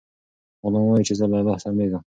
غلام وایي چې زه له الله شرمیږم.